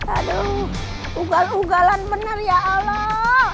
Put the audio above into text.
aduh ugal ugalan benar ya allah